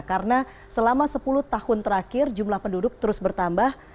karena selama sepuluh tahun terakhir jumlah penduduk terus bertambah